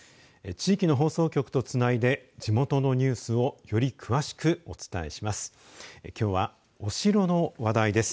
地域の放送局とつないで地元のニュースをより詳しくお伝えします。